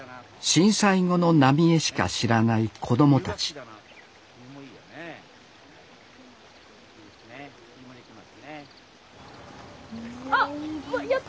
震災後の浪江しか知らない子どもたちあっやった！